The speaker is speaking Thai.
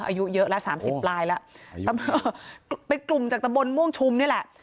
อายุเยอะละ๓๐ลายละเป็นกลุ่มจากตำบลม่วงชุมนี่แหละ